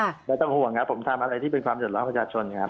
ไม่ต้องห่วงครับผมทำอะไรที่เป็นความเดือดร้อนประชาชนครับ